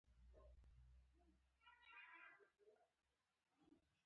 موږ د تودوخې موسم خوښوو.